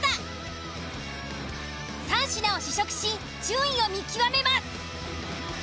３品を試食し順位を見極めます。